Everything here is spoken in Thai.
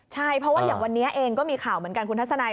ใช่เพราะว่าอย่างวันนี้เองก็มีข่าวเหมือนกันคุณทัศนัย